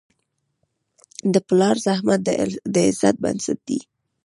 د پلار زحمت د عزت بنسټ دی.